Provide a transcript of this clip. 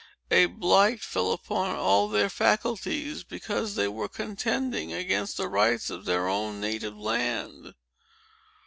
A blight fell upon all their faculties, because they were contending against the rights of their own native land."